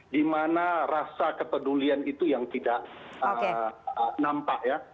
dimana rasa kepedulian itu yang tidak nampak ya